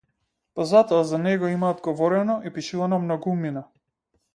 Па затоа за него имаат говорено и пишувано многумина.